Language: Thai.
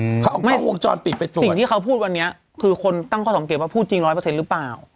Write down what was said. เขาบอกไม่วงจรปิดไปตรงสิ่งที่เขาพูดวันนี้คือคนตั้งข้อสังเกตว่าพูดจริงร้อยเปอร์เซ็นต์หรือเปล่า